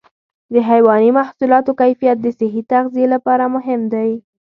د حيواني محصولاتو کیفیت د صحي تغذیې لپاره مهم دی.